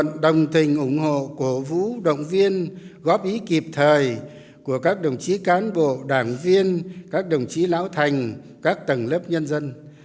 đồng thời đồng tình ủng hộ cổ vũ động viên góp ý kịp thời của các đồng chí cán bộ đảng viên các đồng chí lão thành các tầng lớp nhân dân